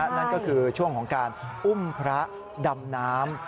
นั่นก็คือช่วงของการอุ้มพระดำน้ำ